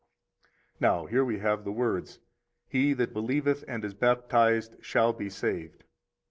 31 Now here we have the words: He that believeth and is baptized shall be saved.